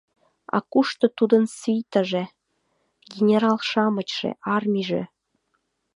А кушто тудын свитыже, генерал-шамычше, армийже?..